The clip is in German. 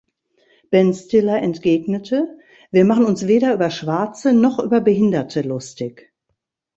Ben Stiller entgegnete: „Wir machen uns weder über Schwarze noch über Behinderte lustig.